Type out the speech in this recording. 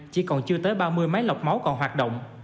chỉ còn chưa tới ba mươi máy lọc máu còn hoạt động